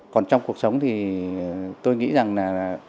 còn trong cuộc sống thì tôi nghĩ rằng là